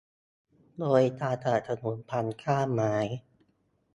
โดยการสนับสนุน่พันธุ์กล้าไม้